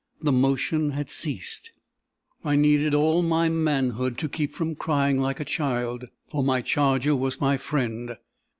The motion had ceased. I needed all my manhood to keep from crying like a child; for my charger was my friend.